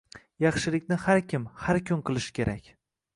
Yaxshilikni har kim, har kun qilish kerak